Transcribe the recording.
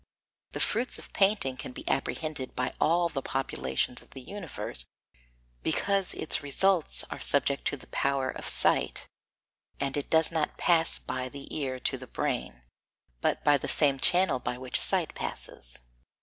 The fruits of painting can be apprehended by all the populations of the universe because its results are subject to the power of sight, and it does not pass by the ear to the brain, but by the same channel by which sight passes.